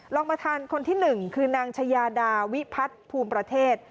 รองประธานคนที่๑คือนางชายาดาวิพัฒน์ภูมิประเทศ